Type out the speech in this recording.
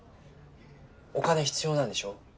お金必要なんでしょ？